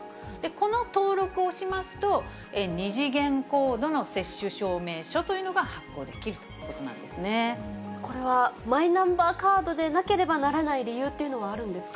この登録をしますと、二次元コードの接種証明書というのが発行できるということなんでこれはマイナンバーカードでなければならない理由っていうのはあるんですか？